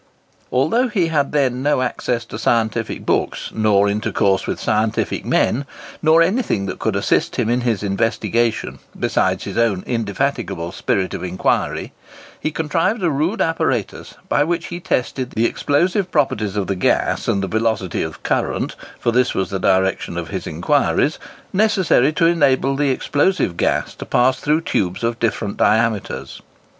Although he had then no access to scientific books, nor intercourse with scientific men, nor anything that could assist him in his investigation, besides his own indefatigable spirit of inquiry, he contrived a rude apparatus by which he tested the explosive properties of the gas and the velocity of current (for this was the direction of his inquiries) necessary to enable the explosive gas to pass through tubes of different diameters.